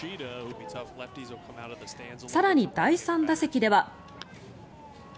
更に、第３打席では。